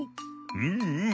うんうん。